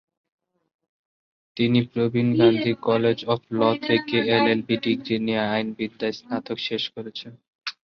তিনি Pravin Gandhi college of law Mumbai থেকে LLB degree নিয়ে আইনবিদ্যায় স্নাতক শেষ করেছেন।